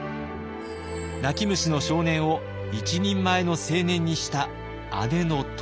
泣き虫の少年を一人前の青年にした姉の乙女。